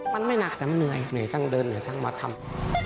มันไม่หนักแต่มันเหนื่อยเหนื่อยทั้งเดินเหนื่อยทั้งมาทำ